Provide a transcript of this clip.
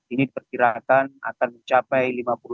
ini diperkirakan akan mencapai lima puluh